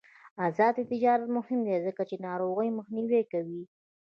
آزاد تجارت مهم دی ځکه چې د ناروغیو مخنیوی کوي.